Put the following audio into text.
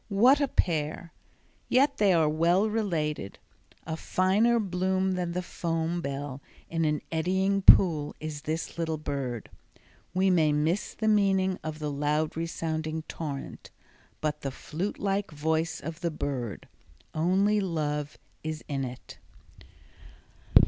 What a pair! yet they are well related. A finer bloom than the foam bell in an eddying pool is this little bird. We may miss the meaning of the loud resounding torrent, but the flute like voice of the bird—only love is in it.